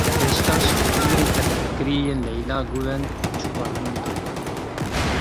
Beştaş bi cilên qedexekirî yên Leyla Guven çû parlamentoyê.